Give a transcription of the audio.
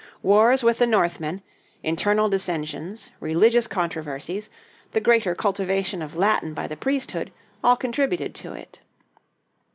Wars with the Northmen, internal dissensions, religious controversies, the greater cultivation of Latin by the priesthood, all contributed to it.